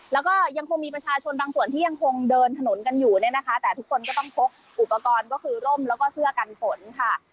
แล้วก็ยังคงมีประชาชนบางส่วนที่ยังคงเดินถนนกันอยู่เนี่ยนะคะแต่ทุกคนก็ต้องพกอุปกรณ์ก็คือร่มแล้วก็เสื้อกันฝนค่ะ